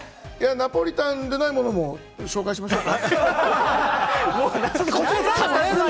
ナポリタンじゃないものも紹介しましょうか？